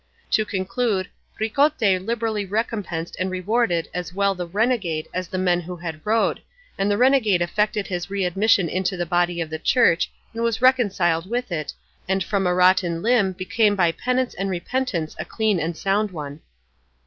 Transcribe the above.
To conclude, Ricote liberally recompensed and rewarded as well the renegade as the men who had rowed; and the renegade effected his readmission into the body of the Church and was reconciled with it, and from a rotten limb became by penance and repentance a clean and sound one.